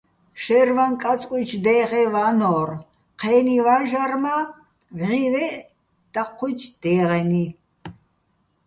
შაჲრვაჼ კაწკუჲჩო̆ დე́ღეჼ ვანო́რ, ჴე́ნი ვაჟარ მა́ ვჵივეჸ დაჴჴუ́ჲჩო̆ დე́ღენი.